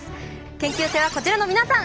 研究生はこちらの皆さん！